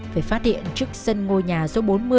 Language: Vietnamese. phải phát hiện trước sân ngôi nhà số bốn mươi